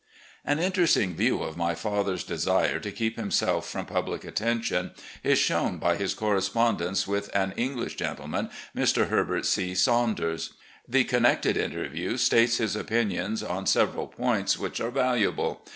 An interesting view of my father's desire to keep himself from public attention is shown by his correspond ence with an English gentleman, Mr. Herbert C. Saunders. The connected interview states his opinions on several points which are valuable.